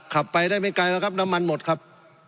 ขับไปได้ไม่ไกลแล้วครับน้ำมันหมดครับ